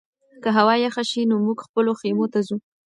که هوا یخه شي نو موږ خپلو خیمو ته ځو.